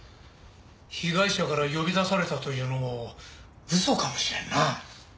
被害者から呼び出されたというのも嘘かもしれんな。